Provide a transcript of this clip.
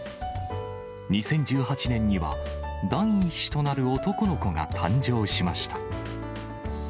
２０１８年には第１子となる男の子が誕生しました。